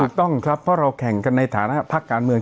ถูกต้องครับเพราะเราแข่งกันในฐานะพักการเมือง